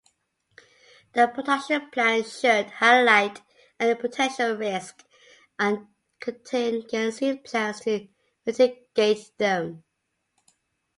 The production plan should highlight any potential risks and contingency plans to mitigate them.